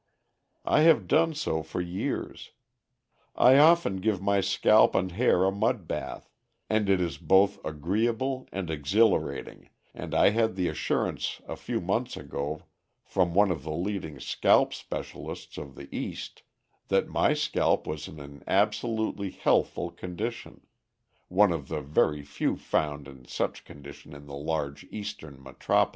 I have done so for years. I often give my scalp and hair a mud bath, and it is both agreeable and exhilarating, and I had the assurance a few months ago from one of the leading scalp specialists of the East that my scalp was in an absolutely healthful condition one of the very few found in such condition in the large eastern metropolis.